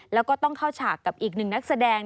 แล้วก็ต้องเข้าฉากกับอีกหนึ่งนักแสดง